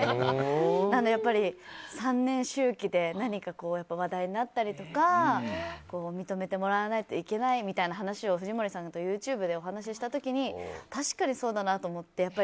なので、３年周期で話題になったりとか認めてもらわないといけないみたいな話を藤森さんとＹｏｕＴｕｂｅでお話しした時に確かにそうだなと思って。